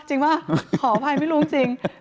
จริงป่ะขออภัยพี่ลุงจริง